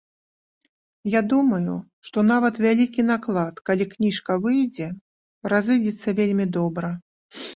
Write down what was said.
Я думаю, што нават вялікі наклад, калі кніжка выйдзе, разыдзецца вельмі добра.